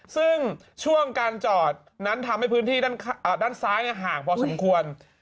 ซึ่งช่วงการจอดนั้นทำให้พื้นที่ด้านซ้ายห่างพอสมควร